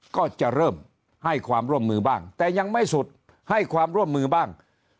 ก็จะเริ่มให้ความร่วมมือบ้างแต่ยังไม่สุดให้ความร่วมมือบ้าง